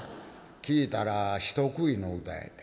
「聞いたら人食いの歌やて」。